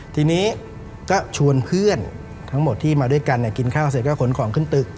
ทีนี้ก็ชวนเพื่อนทั้งหมดที่มาด้วยกันกินข้าวเสร็จก็ขนของขึ้นตึก